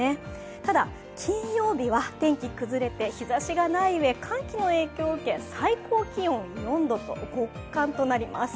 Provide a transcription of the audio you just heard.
ただ、金曜日は天気が崩れて日ざしがないうえ寒気の影響も受けて、最高気温４度と極寒となります。